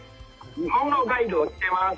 日本語ガイドをしてます。